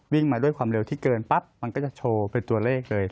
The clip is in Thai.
วิ่งมาด้วยความเร็วที่เกินปั๊บมันก็จะโชว์เป็นตัวเลขเลย